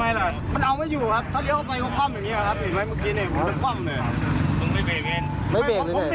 มันเอามาอยู่ครับ